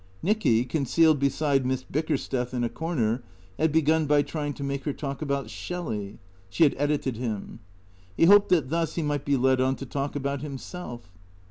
Nicky, concealed beside Miss Bickersteth in a corner, had be gun by trying to make her talk about Shelley (she had edited him). He hoped that thus he might be led on to talk about himself.